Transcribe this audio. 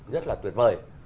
rất là tuyệt vời